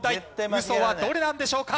ウソはどれなんでしょうか？